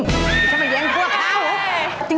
ไม่ใช่มาเยี่ยมพวกเขา